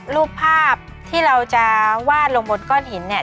รูปภาพที่เราจะวาดลงบนก้อนหินเนี่ย